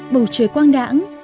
bầu trời quang đẳng